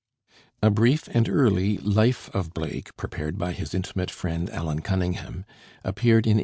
A brief and early 'Life' of Blake, prepared by his intimate friend Allan Cunningham, appeared in 1829.